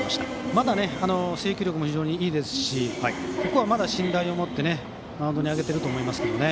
まだ制球力も非常にいいですしここはまだ信頼を持ってマウンドに上げていると思います。